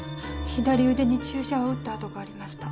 左腕に注射を打った痕がありました。